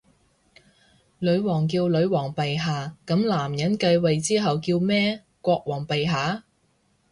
女王叫女皇陛下，噉男人繼位之後叫咩？國王陛下？